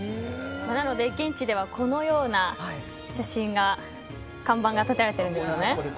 なので現地ではこのような看板が立てられているんですよね。